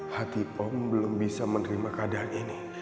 hati om belum bisa menerima keadaan ini